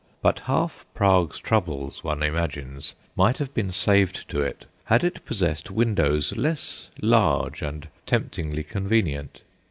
But half Prague's troubles, one imagines, might have been saved to it, had it possessed windows less large and temptingly convenient.